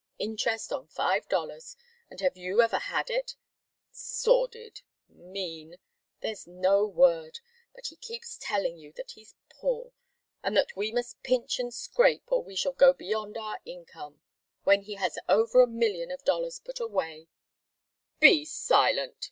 Interest on five dollars. And have you ever had it? Sordid mean there's no word! And he keeps telling you that he's poor, and that we must pinch and scrape or we shall go beyond our income when he has over a million of dollars put away " "Be silent!"